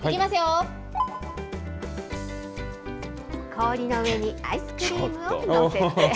氷の上にアイスクリームを載せて。